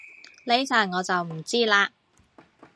呢層我就唔知嘞